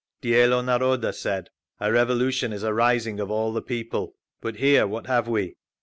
Dielo Naroda said: A revolution is a rising of all the people…. But here what have we?